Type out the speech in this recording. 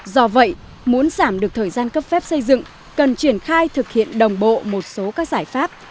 do vậy muốn giảm được thời gian cấp phép xây dựng cần triển khai thực hiện đồng bộ một số các giải pháp